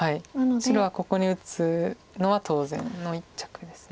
白はここに打つのは当然の一着です。